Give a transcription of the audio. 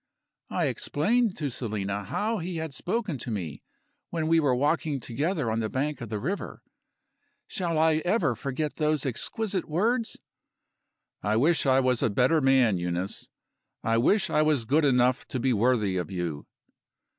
I explained to Selina how he had spoken to me, when we were walking together on the bank of the river. Shall I ever forget those exquisite words? "I wish I was a better man, Eunice; I wish I was good enough to be worthy of you."